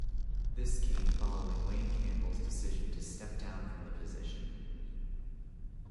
This came following Wayne Campbell's decision to step down from the position.